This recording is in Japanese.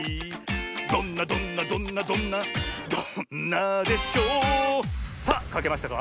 どんなどんなどんなどんなどんなでしょさあかけましたか？